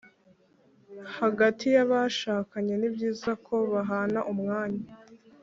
hagati y’abashakanye, ni byiza ko bahana umwanya